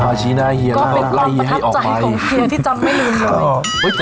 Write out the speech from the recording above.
เนอะเออชี้หน้าเฮียก็ล่ารับประทับใจของเฮียที่จำไม่ลุมอีกครับ